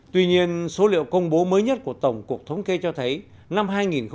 tuy nhiên số liệu công bố mới nhất của tổng cục thống kê cho thấy năm hai nghìn một mươi tám